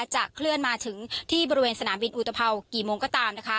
จะเคลื่อนมาถึงที่บริเวณสนามบินอุตภาวกี่โมงก็ตามนะคะ